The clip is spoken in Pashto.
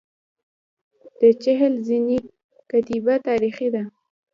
د چهل زینې کتیبه تاریخي ده